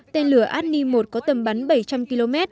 tên lửa adni một có tầm bắn bảy trăm linh km